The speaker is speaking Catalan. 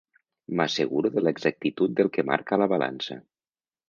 M'asseguro de l'exactitud del que marca la balança.